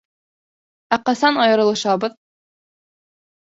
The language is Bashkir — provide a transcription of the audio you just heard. Ә ҡасан айырылышабыҙ?